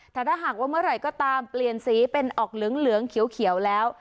แต่ถ้าหากว่าเมื่อไหร่ก็ตามเปลี่ยนสีเป็นออกเหลืองเขียวแล้ว